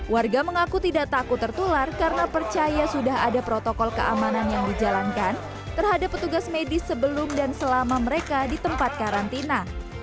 warga mengaku tidak takut tertular karena percaya sudah ada protokol keamanan yang dijalankan terhadap petugas medis sebelum dan selama mereka di tempat karantina